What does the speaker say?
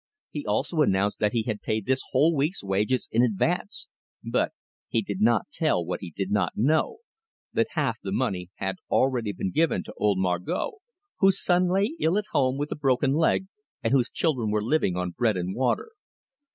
He also announced that he had paid this whole week's wages in advance; but he did not tell what he did not know that half the money had already been given to old Margot, whose son lay ill at home with a broken leg, and whose children were living on bread and water.